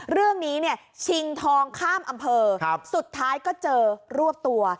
เรื่องนี้เนี่ยชิงทองข้ามอำเภอสุดท้ายก็เจอรวบตัว